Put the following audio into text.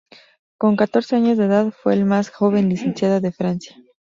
Con catorce años de edad, fue el más joven licenciado de Francia.